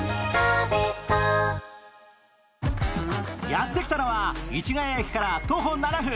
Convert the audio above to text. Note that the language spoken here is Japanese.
やってきたのは市ヶ谷駅から徒歩７分